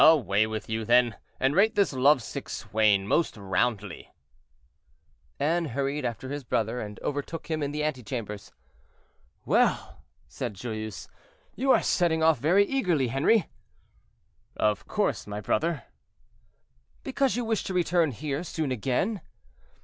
"Away with you, then, and rate this love sick swain most roundly." Anne hurried after his brother, and overtook him in the antechambers. "Well!" said Joyeuse; "you are setting off very eagerly, Henri." "Of course, my brother!" "Because you wish to return here soon again?"